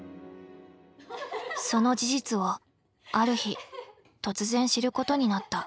その事実をある日突然知ることになった。